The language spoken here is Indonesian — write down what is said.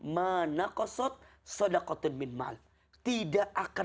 tidak akan pernah berkurang harta yang disedekahkan